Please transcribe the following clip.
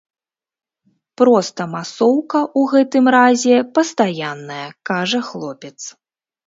Проста масоўка ў гэтым разе пастаянная, кажа хлопец.